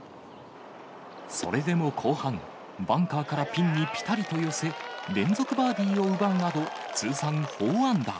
それでも後半、バンカーからピンにぴたりと寄せ、連続バーディーを奪うなど、通算４アンダー。